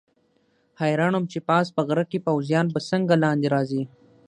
حیران وم چې پاس په غره کې پوځیان به څنګه لاندې راځي.